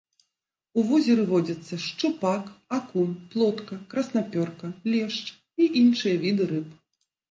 У возеры водзяцца шчупак, акунь, плотка, краснапёрка, лешч і іншыя віды рыб.